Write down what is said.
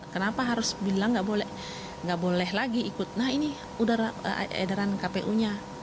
kenapa harus bilang nggak boleh lagi ikut nah ini udah edaran kpu nya